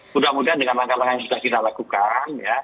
mudah mudahan dengan langkah langkah yang sudah kita lakukan